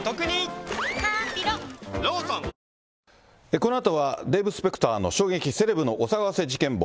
このあとはデーブ・スペクターの衝撃セレブのお騒がせ事件簿。